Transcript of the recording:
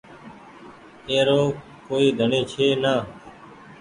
اي رو ڪوئي ڍڻي ڇي نآ۔